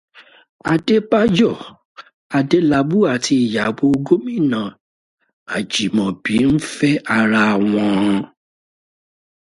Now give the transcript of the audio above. Adébáyọ̀ Adélabú àti ìyàwó gómìnà Ajímọ́bi ń fẹ́ ara wọn